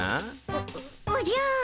おおじゃ。